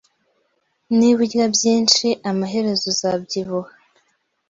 Niba urya byinshi, amaherezo uzabyibuha.